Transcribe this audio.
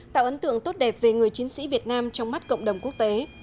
tạo ấn tượng tốt đẹp về người chiến sĩ việt nam trong mắt cộng đồng quốc tế